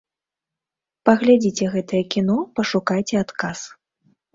Паглядзіце гэтае кіно, пашукайце адказ.